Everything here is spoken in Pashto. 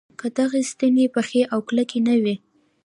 که دغه ستنې پخې او کلکې نه وي.